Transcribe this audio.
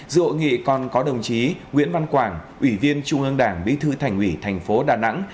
dự hội nghị còn có đồng chí nguyễn văn quảng ủy viên trung ương đảng bí thư thành ủy thành phố đà nẵng